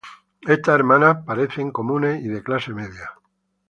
Estas hermanas parecen comunes y de clase media.